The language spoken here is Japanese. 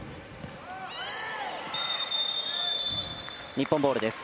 日本ボールです。